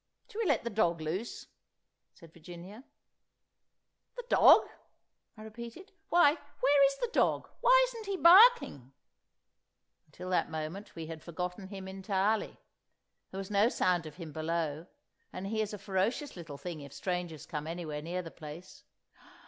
"Shall we let the dog loose?" said Virginia. "The dog!" I repeated. "Why, where is the dog? Why isn't he barking?" Until that moment we had forgotten him entirely. There was no sound of him below; and he is a ferocious little thing if strangers come anywhere near the place.